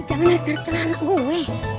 jangan neder celana gue